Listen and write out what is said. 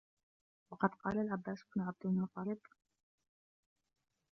وَقَدْ قَالَ الْعَبَّاسُ بْنُ عَبْدِ الْمُطَّلِبِ